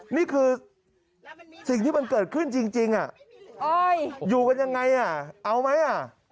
นี่คือสิ่งที่มันเกิดขึ้นจริงอยู่กันยังไงอ่ะเอาไหมอ่ะ